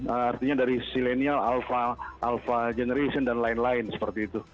artinya dari silenial alpha alpha generation dan lain lain seperti itu